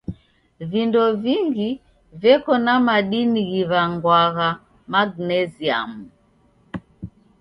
Vindo vingi veko na madini ghiw'angwagha magnesiamu.